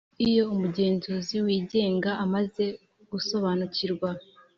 Iyo umugenzuzi uwigenga amaze gusobanukirwa